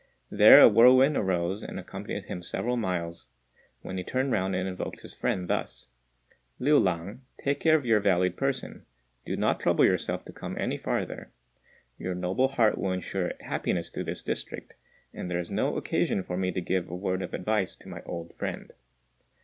There a whirlwind arose and accompanied him several miles, when he turned round and invoked his friend thus: "Liu lang, take care of your valued person. Do not trouble yourself to come any farther. Your noble heart will ensure happiness to this district, and there is no occasion for me to give a word of advice to my old friend."